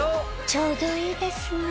ちょうどいいですね